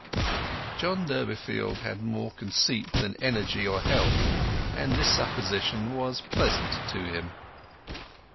John Durbeyfield had more conceit than energy or health, and this supposition was pleasant to him.